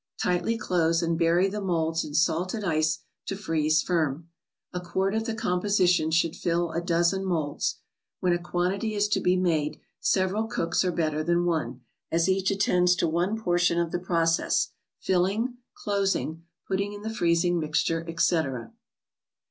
Tightly close, and bury the molds in salted ice to freeze firm. A quart of the composition should fill a dozen molds. When a quantity is to be made, several cooks are better than one, as each attends to one portion of the process—filling, closing, putting in the freezing mixture, etc.